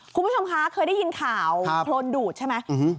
คุณผู้ชมคะเคยได้ยินข่าวโครนดูดใช่ไหม